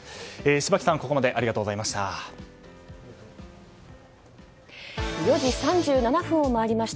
柴木さん、ここまでありがとうございました。